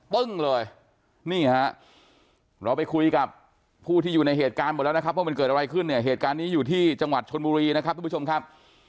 ปึ้งเลยนี่ฮะเราไปคุยกับผู้ที่อยู่ในเหตุการณ์หมดแล้วนะครับว่ามันเกิดอะไรขึ้นเนี่ยเหตุการณ์นี้อยู่ที่จังหวัดชนบุรีนะครับทุกผู้ชมครับ